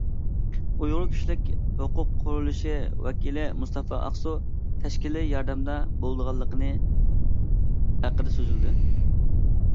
«ئۇيغۇر كىشىلىك ھوقۇق قۇرۇلۇشى» ۋەكىلى مۇستاپا ئاقسۇ تەشكىلىي ياردەمدە بولىدىغانلىقىنى ھەققىدە سۆزلىدى.